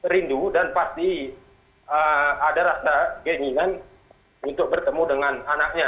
rindu dan pasti ada rasa keinginan untuk bertemu dengan anaknya